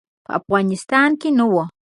په افغانستان کې نه وو.